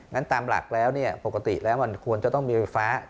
นั้นตามหลักแล้วปกติแล้วมันควรจะต้องมีไฟฟ้า